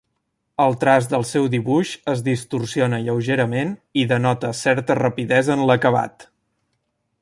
El traç del seu dibuix es distorsiona lleugerament i denota certa rapidesa en l'acabat.